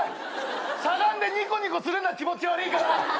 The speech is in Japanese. しゃがんでニコニコするな気持ち悪いから。